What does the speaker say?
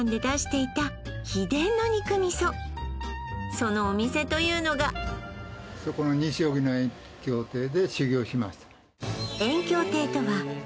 そのお店というのがそこの西荻の燕京亭で修業しました